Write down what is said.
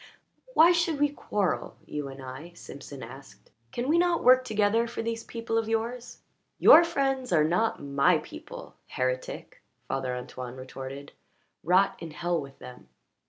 "Why should we quarrel you and I?" Simpson asked. "Can we not work together for these people of yours?" "Your friends are not my people, heretic!" Father Antoine retorted." Rot in hell with them!"